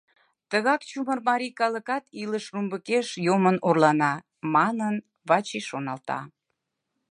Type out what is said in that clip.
Тыгак чумыр марий калыкат илыш румбыкеш йомын орлана», — манын, Вачи шоналта.